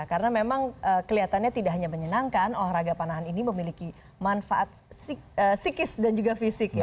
karena memang kelihatannya tidak hanya menyenangkan olahraga panahan ini memiliki manfaat psikis dan juga fisik ya